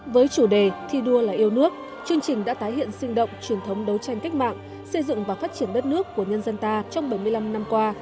với chủ đề thi đua là yêu nước chương trình đã tái hiện sinh động truyền thống đấu tranh cách mạng xây dựng và phát triển đất nước của nhân dân ta trong bảy mươi năm năm qua